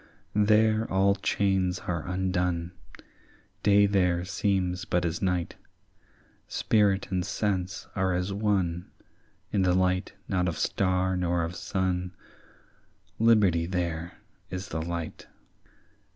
"There all chains are undone; Day there seems but as night; Spirit and sense are as one In the light not of star nor of sun; Liberty there is the light.